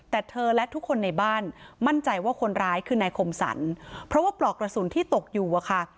แต่เธอและทุกคนในบ้านมั่นใจว่าคนร้ายคือนายคมสรรเพราะว่าปลอกกระสุนที่ตกอยู่อะค่ะ